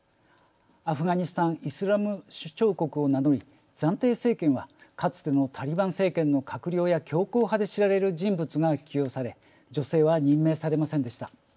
アフガニスタンイスラム首長国を名乗りかつてのタリバン政権閣僚や強硬派で知られる人物が起用され女性は任命されませんでした。